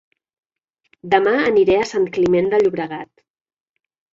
Dema aniré a Sant Climent de Llobregat